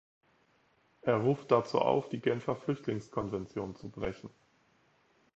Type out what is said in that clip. Er ruft dazu auf, die Genfer Flüchtlingskonvention zu brechen!